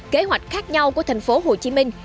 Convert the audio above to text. kế hoạch khác nhau của thành phố hồ chí minh